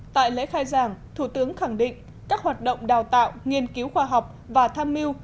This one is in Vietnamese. tại lễ khai giảng thủ tướng khẳng định các hoạt động đào tạo nghiên cứu khoa học và tham mưu